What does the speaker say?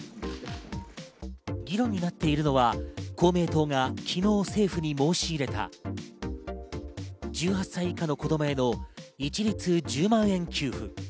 議論になっているのは公明党が昨日政府に申し入れた１８歳以下の子供への一律１０万円給付。